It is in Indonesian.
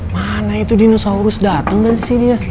mana itu dinosaurus datingan sih dia